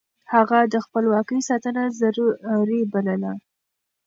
هغه د خپلواکۍ ساتنه ضروري بلله.